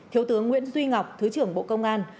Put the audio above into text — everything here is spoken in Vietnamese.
thiếu tướng nguyễn duy ngọc thứ trưởng bộ công an